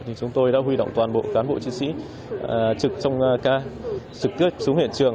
chúng tôi đã huy động toàn bộ cán bộ chiến sĩ trực tiếp xuống hiện trường